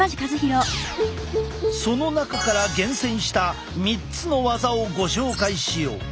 その中から厳選した３つのワザをご紹介しよう。